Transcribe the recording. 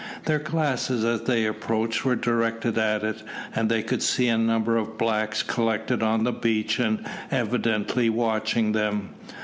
Their glasses as they approached were directed at it, and they could see a number of blacks collected on the beach and evidently watching them.